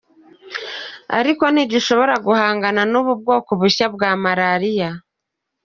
Ariko ntigishobora guhangana n’ubu bwoko bushya bwa Malariya.